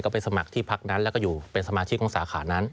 ไปสมัครที่พักนั้นแล้วก็อยู่เป็นสมาชิกของสาขานั้น